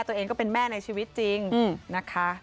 ตัวเองก็เป็นแม่ในชีวิตจริงนะคะ